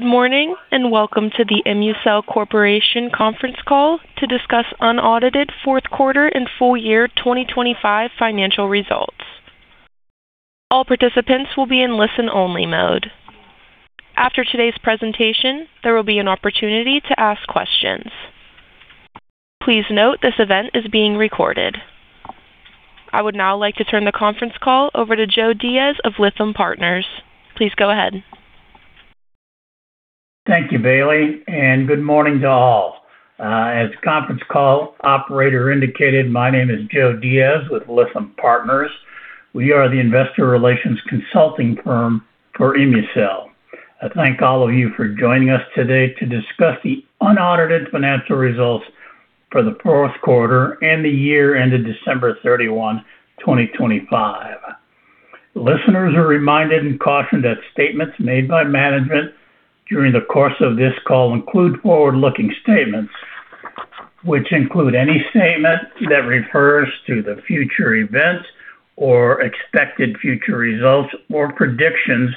Good morning. Welcome to the ImmuCell Corporation Conference Call to discuss unaudited fourth quarter and full year 2025 financial results. All participants will be in listen-only mode. After today's presentation, there will be an opportunity to ask questions. Please note this event is being recorded. I would now like to turn the conference call over to Joe Diaz of Lytham Partners. Please go ahead. Thank you, Baley, and good morning to all. As Conference Call Operator indicated, my name is Joe Diaz with Lytham Partners. We are the investor relations consulting firm for ImmuCell. I thank all of you for joining us today to discuss the unaudited financial results for the fourth quarter and the year ended December 31, 2025. Listeners are reminded and cautioned that statements made by management during the course of this call include forward-looking statements, which include any statement that refers to the future events or expected future results or predictions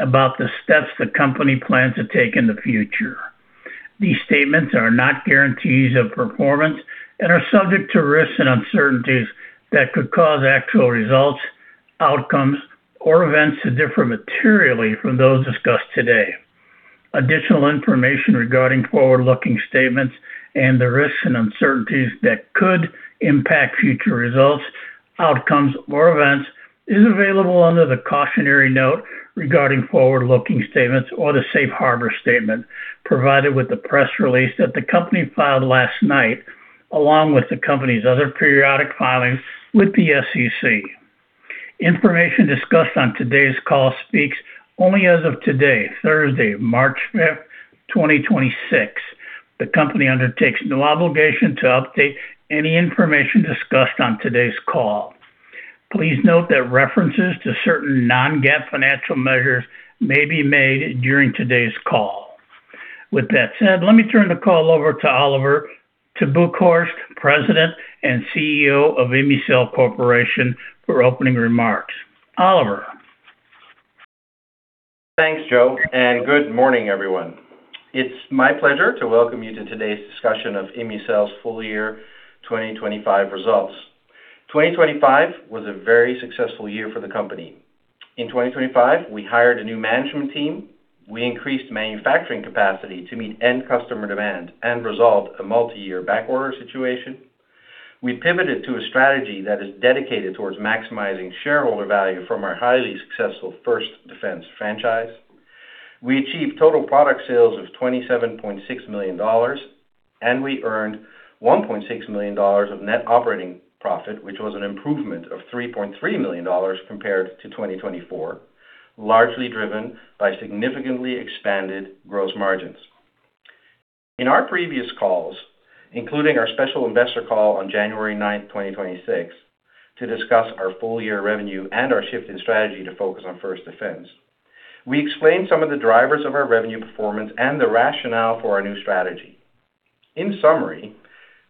about the steps the company plans to take in the future. These statements are not guarantees of performance and are subject to risks and uncertainties that could cause actual results, outcomes, or events to differ materially from those discussed today. Additional information regarding forward-looking statements and the risks and uncertainties that could impact future results, outcomes, or events is available under the cautionary note regarding forward-looking statements or the safe harbor statement provided with the press release that the company filed last night, along with the company's other periodic filings with the SEC. Information discussed on today's call speaks only as of today, Thursday, March 5th, 2026. The company undertakes no obligation to update any information discussed on today's call. Please note that references to certain non-GAAP financial measures may be made during today's call. With that said, let me turn the call over to Olivier te Boekhorst, President and CEO of ImmuCell Corporation, for opening remarks. Olivier. Thanks, Joe. Good morning, everyone. It's my pleasure to welcome you to today's discussion of ImmuCell's full year 2025 results. 2025 was a very successful year for the company. In 2025, we hired a new management team. We increased manufacturing capacity to meet end customer demand and resolve a multi-year backorder situation. We pivoted to a strategy that is dedicated towards maximizing shareholder value from our highly successful First Defense franchise. We achieved total product sales of $27.6 million, and we earned $1.6 million of net operating profit, which was an improvement of $3.3 million compared to 2024, largely driven by significantly expanded gross margins. In our previous calls, including our special investor call on January 9, 2026, to discuss our full year revenue and our shift in strategy to focus on First Defense, we explained some of the drivers of our revenue performance and the rationale for our new strategy. In summary,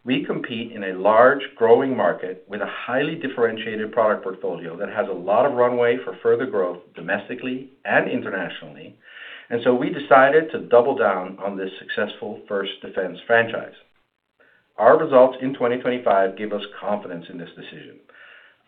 we compete in a large growing market with a highly differentiated product portfolio that has a lot of runway for further growth domestically and internationally, we decided to double down on this successful First Defense franchise. Our results in 2025 give us confidence in this decision.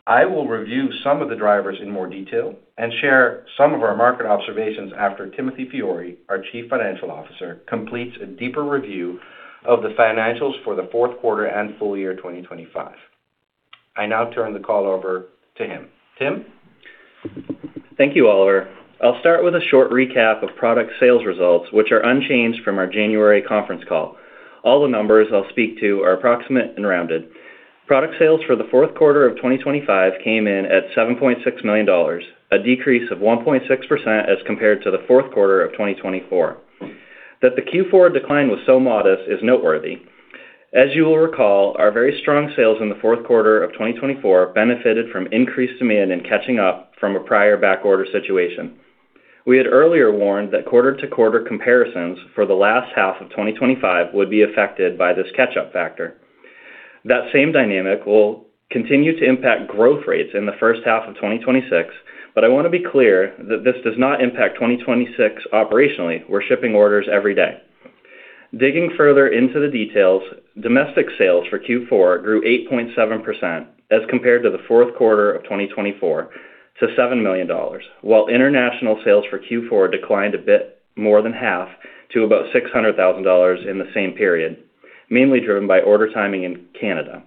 I will review some of the drivers in more detail and share some of our market observations after Timothy Fiori, our Chief Financial Officer, completes a deeper review of the financials for the fourth quarter and full year 2025. I now turn the call over to him. Tim. Thank you, Olivier. I'll start with a short recap of product sales results, which are unchanged from our January conference call. All the numbers I'll speak to are approximate and rounded. Product sales for the fourth quarter of 2025 came in at $7.6 million, a decrease of 1.6% as compared to the fourth quarter of 2024. That the Q4 decline was so modest is noteworthy. As you will recall, our very strong sales in the fourth quarter of 2024 benefited from increased demand and catching up from a prior backorder situation. We had earlier warned that quarter-to-quarter comparisons for the last half of 2025 would be affected by this catch-up factor. That same dynamic will continue to impact growth rates in the first half of 2026, but I want to be clear that this does not impact 2026 operationally. We're shipping orders every day. Digging further into the details, domestic sales for Q4 grew 8.7% as compared to the fourth quarter of 2024 to $7 million, while international sales for Q4 declined a bit more than half to about $600,000 in the same period, mainly driven by order timing in Canada.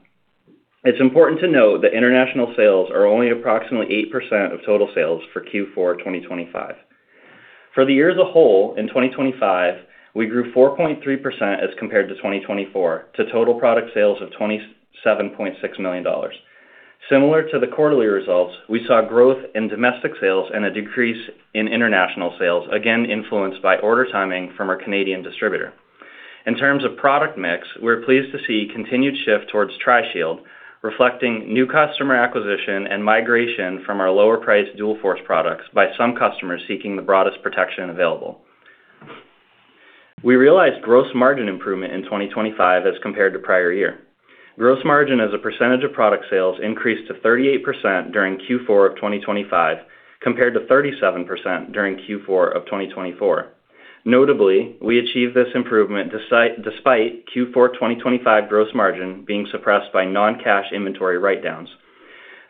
It's important to note that international sales are only approximately 8% of total sales for Q4 2025. For the year as a whole, in 2025, we grew 4.3% as compared to 2024 to total product sales of $27.6 million. Similar to the quarterly results, we saw growth in domestic sales and a decrease in international sales, again influenced by order timing from our Canadian distributor. In terms of product mix, we're pleased to see continued shift towards Tri-Shield, reflecting new customer acquisition and migration from our lower-priced Dual-Force products by some customers seeking the broadest protection available. We realized gross margin improvement in 2025 as compared to prior year. Gross margin as a percentage of product sales increased to 38% during Q4 of 2025, compared to 37% during Q4 of 2024. Notably, we achieved this improvement despite Q4 2025 gross margin being suppressed by non-cash inventory write-downs.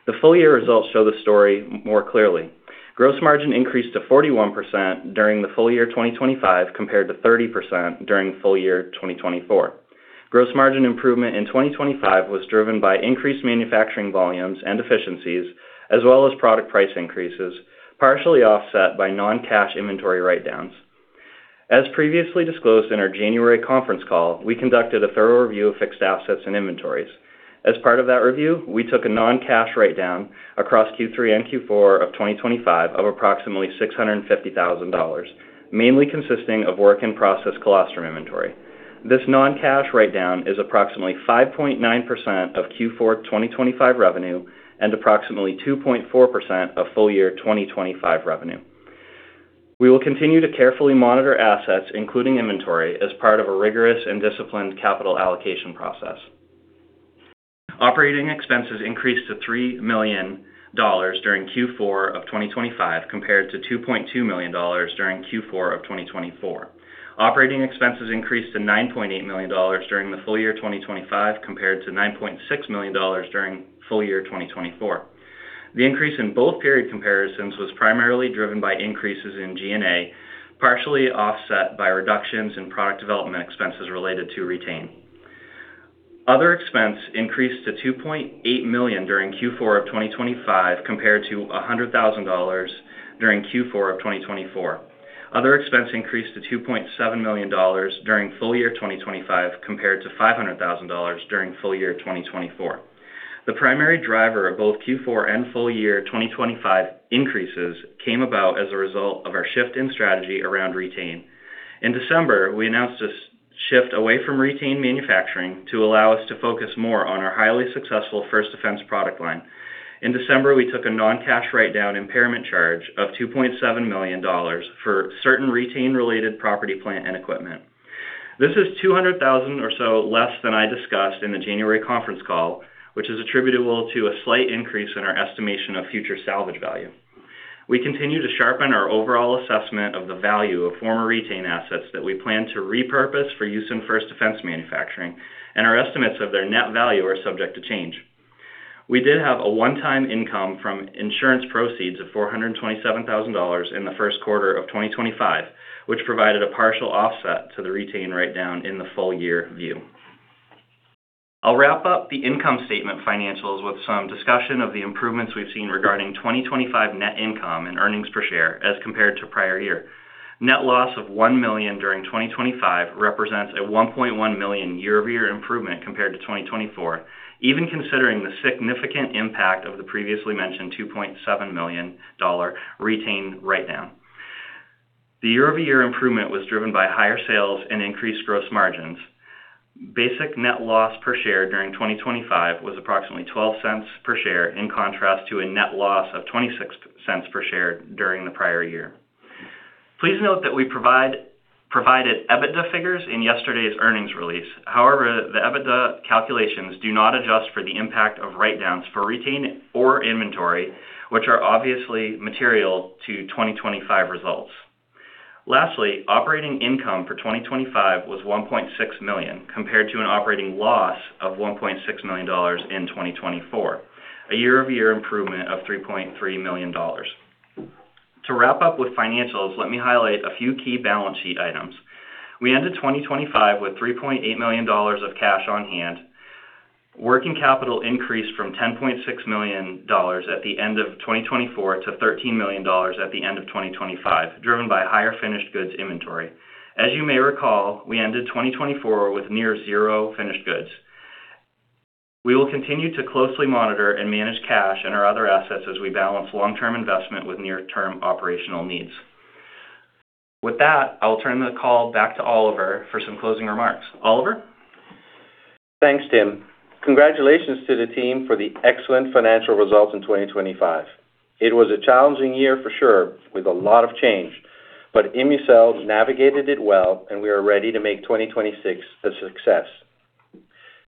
The full year results show the story more clearly. Gross margin increased to 41% during the full year 2025, compared to 30% during full year 2024. Gross margin improvement in 2025 was driven by increased manufacturing volumes and efficiencies as well as product price increases, partially offset by non-cash inventory write-downs. Previously disclosed in our January conference call, we conducted a thorough review of fixed assets and inventories. Part of that review, we took a non-cash write-down across Q3 and Q4 of 2025 of approximately $650,000, mainly consisting of work in process colostrum inventory. This non-cash write-down is approximately 5.9% of Q4 2025 revenue and approximately 2.4% of full year 2025 revenue. We will continue to carefully monitor assets, including inventory, as part of a rigorous and disciplined capital allocation process. Operating expenses increased to $3 million during Q4 of 2025, compared to $2.2 million during Q4 of 2024. Operating expenses increased to $9.8 million during the full year 2025, compared to $9.6 million during full year 2024. The increase in both period comparisons was primarily driven by increases in G&A, partially offset by reductions in product development expenses related to Re-Tain. Other expense increased to $2.8 million during Q4 of 2025, compared to $100,000 during Q4 of 2024. Other expense increased to $2.7 million during full year 2025, compared to $500,000 during full year 2024. The primary driver of both Q4 and full year 2025 increases came about as a result of our shift in strategy around Re-Tain. In December, we announced a shift away from Re-Tain manufacturing to allow us to focus more on our highly successful First Defense product line. In December, we took a non-cash write-down impairment charge of $2.7 million for certain Re-Tain-related property, plant, and equipment. This is $200,000 or so less than I discussed in the January conference call, which is attributable to a slight increase in our estimation of future salvage value. We continue to sharpen our overall assessment of the value of former Re-Tain assets that we plan to repurpose for use in First Defense manufacturing, and our estimates of their net value are subject to change. We did have a one-time income from insurance proceeds of $427,000 in the first quarter of 2025, which provided a partial offset to the Re-Tain write-down in the full year view. I'll wrap up the income statement financials with some discussion of the improvements we've seen regarding 2025 net income and earnings per share as compared to prior year. Net loss of $1 million during 2025 represents a $1.1 million year-over-year improvement compared to 2024, even considering the significant impact of the previously mentioned $2.7 million Re-Tain write-down. The year-over-year improvement was driven by higher sales and increased gross margins. Basic net loss per share during 2025 was approximately $0.12 per share, in contrast to a net loss of $0.26 per share during the prior year. Please note that we provided EBITDA figures in yesterday's earnings release. However, the EBITDA calculations do not adjust for the impact of write-downs for Re-Tain or Inventory, which are obviously material to 2025 results. Lastly, operating income for 2025 was $1.6 million, compared to an operating loss of $1.6 million in 2024, a year-over-year improvement of $3.3 million. To wrap up with financials, let me highlight a few key balance sheet items. We ended 2025 with $3.8 million of cash on hand. Working capital increased from $10.6 million at the end of 2024 to $13 million at the end of 2025, driven by higher finished goods inventory. As you may recall, we ended 2024 with near zero finished goods. We will continue to closely monitor and manage cash and our other assets as we balance long-term investment with near-term operational needs. With that, I'll turn the call back to Olivier for some closing remarks. Olivier? Thanks, Tim. Congratulations to the team for the excellent financial results in 2025. It was a challenging year for sure with a lot of change, ImmuCell navigated it well and we are ready to make 2026 a success.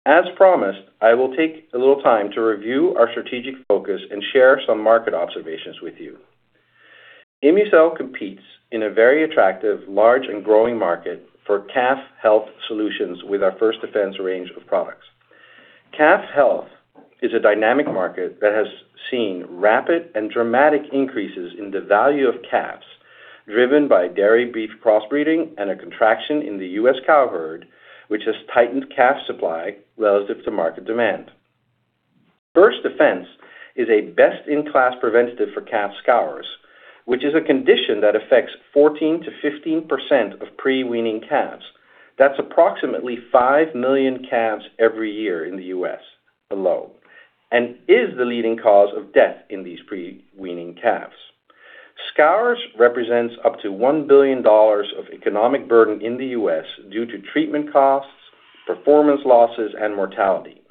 As promised, I will take a little time to review our strategic focus and share some market observations with you. ImmuCell competes in a very attractive, large, and growing market for calf health solutions with our First Defense range of products. Calf health is a dynamic market that has seen rapid and dramatic increases in the value of calves, driven by dairy-beef crossbreeding and a contraction in the U.S. cow herd, which has tightened calf supply relative to market demand. First Defense is a best-in-class preventative for calf scours, which is a condition that affects 14%-15% of pre-weaning calves. That's approximately 5 million calves every year in the U.S. alone and is the leading cause of death in these pre-weaning calves. Scours represents up to $1 billion of economic burden in the U.S. due to treatment costs, performance losses, and mortality.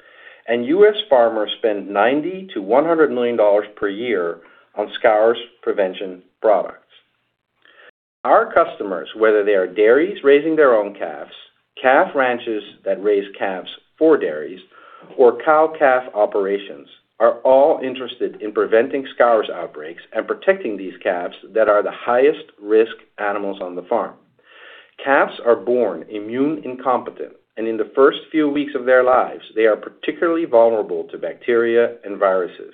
U.S. farmers spend $90 million-$100 million per year on scours prevention products. Our customers, whether they are dairies raising their own calves, calf ranches that raise calves for dairies, or cow-calf operations, are all interested in preventing scours outbreaks and protecting these calves that are the highest-risk animals on the farm. Calves are born immune incompetent, and in the first few weeks of their lives, they are particularly vulnerable to bacteria and viruses.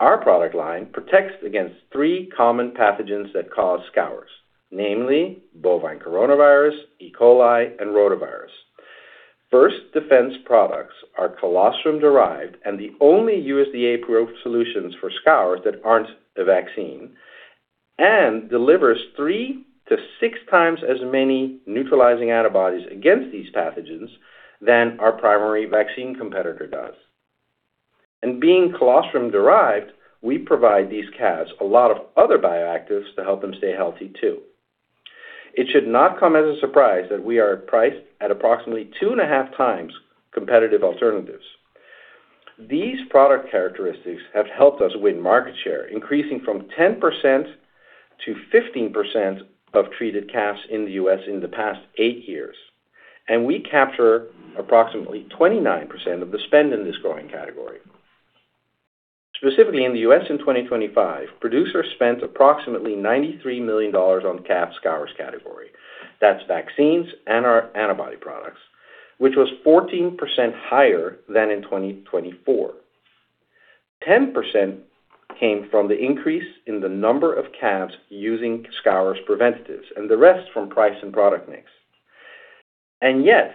Our product line protects against three common pathogens that cause scours, namely bovine coronavirus, E. coli, and rotavirus. First Defense products are colostrum-derived and the only USDA-approved solutions for scours that aren't a vaccine, and delivers three to six times as many neutralizing antibodies against these pathogens than our primary vaccine competitor does. Being colostrum-derived, we provide these calves a lot of other bioactives to help them stay healthy too. It should not come as a surprise that we are priced at approximately two and a half times competitive alternatives. These product characteristics have helped us win market share, increasing from 10% to 15% of treated calves in the U.S. in the past eight years, and we capture approximately 29% of the spend in this growing category. Specifically in the U.S. in 2025, producers spent approximately $93 million on calf scours category. That's vaccines and our antibody products, which was 14% higher than in 2024. 10% came from the increase in the number of calves using scours preventatives, and the rest from price and product mix. Yet,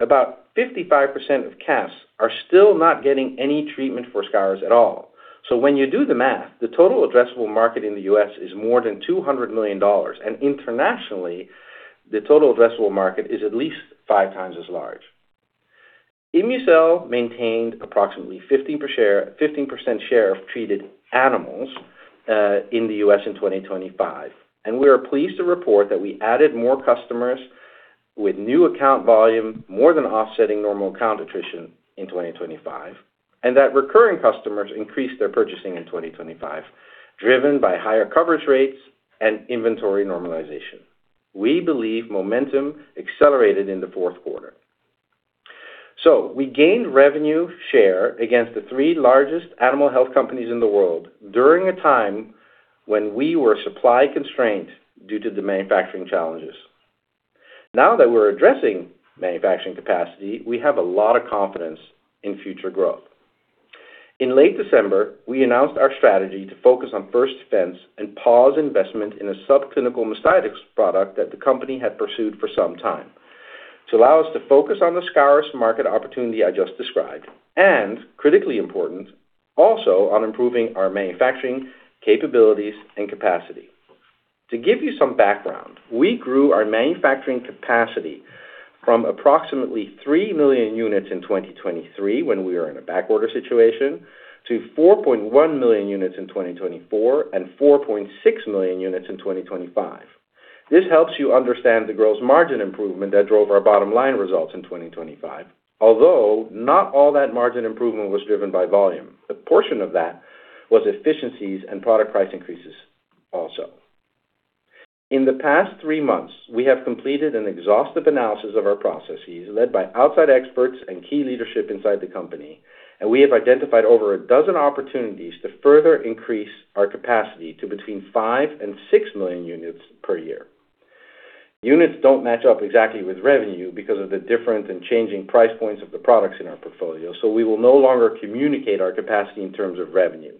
about 55% of calves are still not getting any treatment for scours at all. When you do the math, the total addressable market in the U.S. is more than $200 million, and internationally, the total addressable market is at least five times as large. ImmuCell maintained approximately 15% share of treated animals in the U.S. in 2025. We are pleased to report that we added more customers with new account volume, more than offsetting normal account attrition in 2025. Recurring customers increased their purchasing in 2025, driven by higher coverage rates and inventory normalization. We believe momentum accelerated in the fourth quarter. We gained revenue share against the three largest animal health companies in the world during a time when we were supply-constrained due to the manufacturing challenges. Now that we're addressing manufacturing capacity, we have a lot of confidence in future growth. In late December, we announced our strategy to focus on First Defense and pause investment in a subclinical mastitis product that the company had pursued for some time to allow us to focus on the scours market opportunity I just described, and, critically important, also on improving our manufacturing capabilities and capacity. To give you some background, we grew our manufacturing capacity from approximately 3 million units in 2023 when we were in a backorder situation to 4.1 million units in 2024 and 4.6 million units in 2025. This helps you understand the gross margin improvement that drove our bottom-line results in 2025, although not all that margin improvement was driven by volume. A portion of that was efficiencies and product price increases also. In the past three months, we have completed an exhaustive analysis of our processes led by outside experts and key leadership inside the company, and we have identified over a dozen opportunities to further increase our capacity to between 5 million and 6 million units per year. Units don't match up exactly with revenue because of the different and changing price points of the products in our portfolio. We will no longer communicate our capacity in terms of revenue.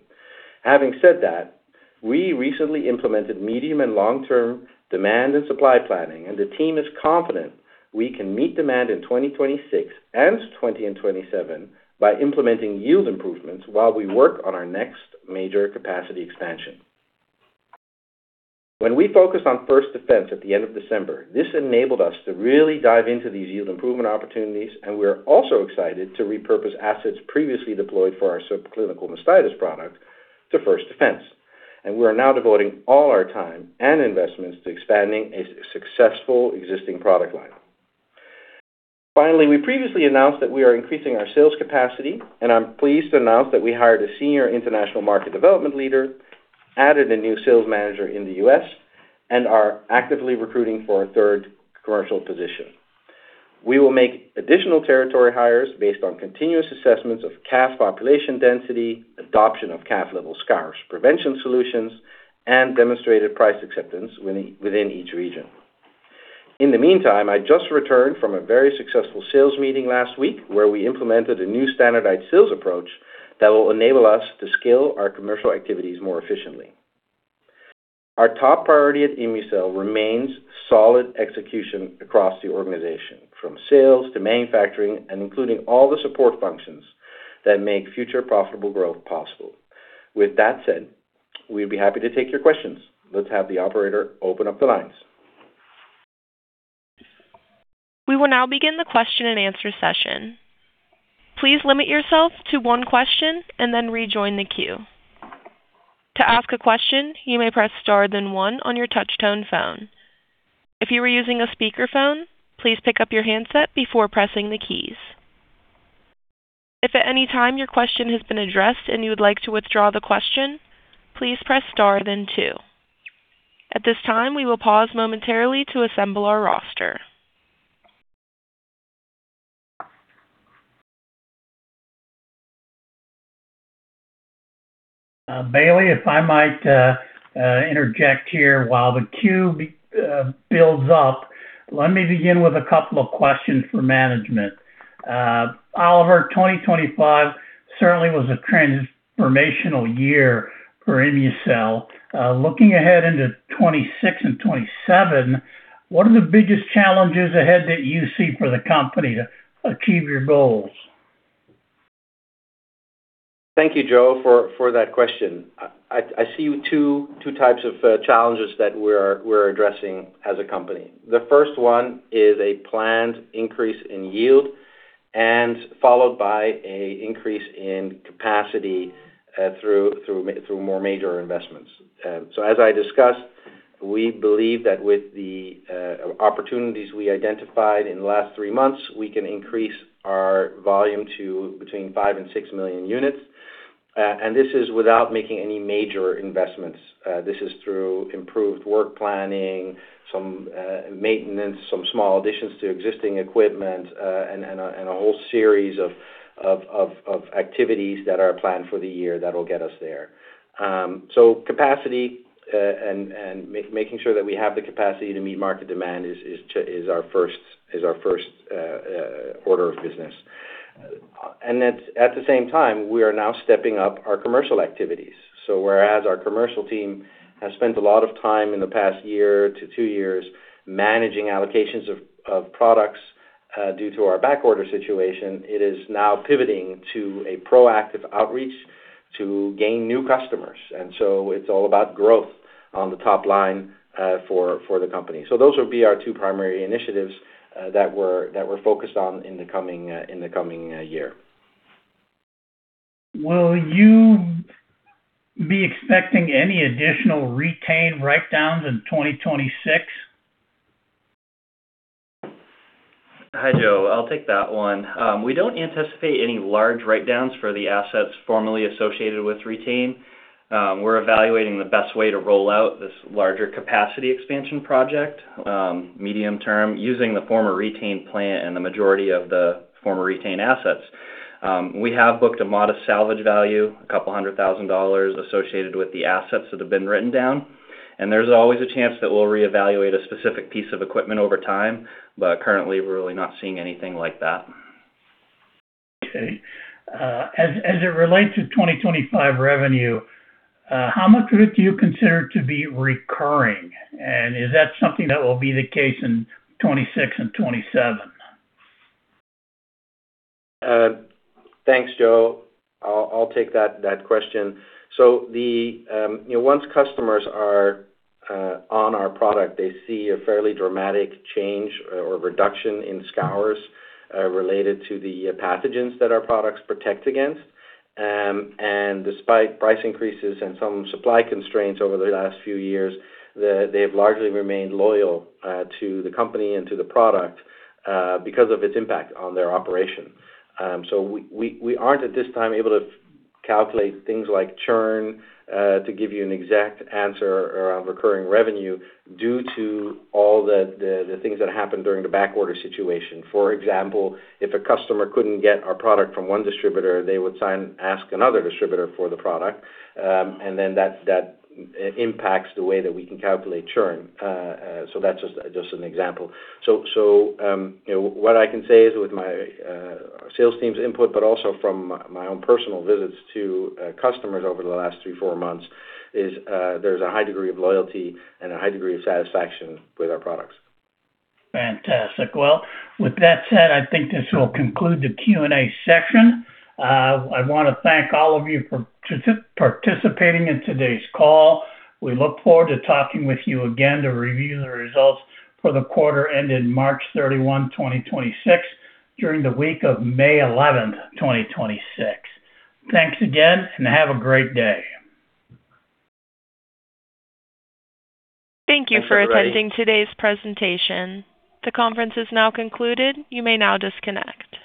Having said that, we recently implemented medium and long-term demand and supply planning. The team is confident we can meet demand in 2026 and 2027 by implementing yield improvements while we work on our next major capacity expansion. When we focused on First Defense at the end of December, this enabled us to really dive into these yield improvement opportunities. We're also excited to repurpose assets previously deployed for our subclinical mastitis product to First Defense. We are now devoting all our time and investments to expanding a successful existing product line. Finally, we previously announced that we are increasing our sales capacity. I'm pleased to announce that we hired a senior international market development leader, added a new sales manager in the U.S., and are actively recruiting for a third commercial position. We will make additional territory hires based on continuous assessments of calf population density, adoption of calf-level scours prevention solutions, and demonstrated price acceptance within each region. In the meantime, I just returned from a very successful sales meeting last week, where we implemented a new standardized sales approach that will enable us to scale our commercial activities more efficiently. Our top priority at ImmuCell remains solid execution across the organization, from sales to manufacturing and including all the support functions that make future profitable growth possible. With that said, we'd be happy to take your questions. Let's have the operator open up the lines. We will now begin the question-and-answer session. Please limit yourself to one question and then rejoin the queue. To ask a question, you may press star then one on your touchtone phone. If you are using a speakerphone, please pick up your handset before pressing the keys. If at any time your question has been addressed and you would like to withdraw the question, please press star then two. At this time, we will pause momentarily to assemble our roster. Jamie, if I might interject here while the queue builds up, let me begin with a couple of questions for management. Olivier, 2025 certainly was a transformational year for ImmuCell. Looking ahead into 2026 and 2027, what are the biggest challenges ahead that you see for the company to achieve your goals? Thank you, Joe, for that question. I see two types of challenges that we're addressing as a company. The first one is a planned increase in yield and followed by a increase in capacity through more major investments. As I discussed, we believe that with the opportunities we identified in the last three months, we can increase our volume to between 5 million and 6 million units. This is without making any major investments. This is through improved work planning, some maintenance, some small additions to existing equipment, and a whole series of activities that are planned for the year that'll get us there. Capacity, and making sure that we have the capacity to meet market demand is our first order of business. At the same time, we are now stepping up our commercial activities. Whereas our commercial team has spent a lot of time in the past year to two years managing allocations of products due to our back order situation, it is now pivoting to a proactive outreach to gain new customers. It's all about growth on the top line for the company. Those would be our two primary initiatives that we're focused on in the coming year. Will you be expecting any additional Re-Tain write-downs in 2026? Hi, Joe. I'll take that one. We don't anticipate any large write-downs for the assets formerly associated with Re-Tain. We're evaluating the best way to roll out this larger capacity expansion project, medium term, using the former Re-Tain plant and the majority of the former Re-Tain assets. We have booked a modest salvage value, $200,000 associated with the assets that have been written down, and there's always a chance that we'll reevaluate a specific piece of equipment over time, but currently we're really not seeing anything like that. Okay. As it relates to 2025 revenue, how much of it do you consider to be recurring? Is that something that will be the case in 2026 and 2027? Thanks, Joe. I'll take that question. The, you know, once customers are on our product, they see a fairly dramatic change or reduction in scours related to the pathogens that our products protect against. Despite price increases and some supply constraints over the last few years, they have largely remained loyal to the company and to the product because of its impact on their operation. We aren't at this time able to calculate things like churn to give you an exact answer around recurring revenue due to all the things that happened during the backorder situation. For example, if a customer couldn't get our product from one distributor, they would ask another distributor for the product, and then that impacts the way that we can calculate churn. That's just an example. You know, what I can say is with my sales team's input, but also from my own personal visits to customers over the last three, four months, is there's a high degree of loyalty and a high degree of satisfaction with our products. Fantastic. Well, with that said, I think this will conclude the Q&A section. I wanna thank all of you for participating in today's call. We look forward to talking with you again to review the results for the quarter ended March 31, 2026, during the week of May 11th, 2026. Thanks again, and have a great day. Thank you for attending today's presentation. The conference is now concluded. You may now disconnect.